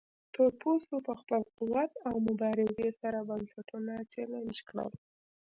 تورپوستو په خپل قوت او مبارزې سره بنسټونه چلنج کړل.